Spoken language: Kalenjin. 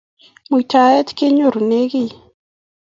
Muitaet kenyerune kiy.